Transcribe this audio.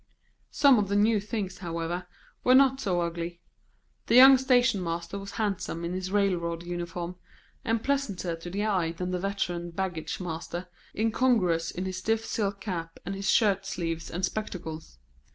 Some of the new things, however, were not so ugly; the young station master was handsome in his railroad uniform, and pleasanter to the eye than the veteran baggage master, incongruous in his stiff silk cap and his shirt sleeves and spectacles.